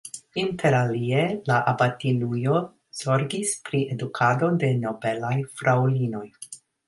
Interalie la abatinujo zorgis pri edukado de nobelaj fraŭlinoj.